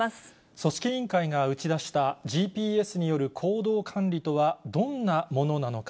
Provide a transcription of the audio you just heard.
組織委員会が打ち出したＧＰＳによる行動管理とはどんなものなのか。